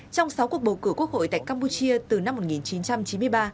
trong sáu cuộc bầu cử quốc hội tại campuchia từ năm một nghìn chín trăm chín mươi ba